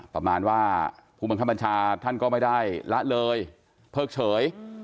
ประมาณว่าผู้บังคับบัญชาท่านก็ไม่ได้ละเลยเพิกเฉย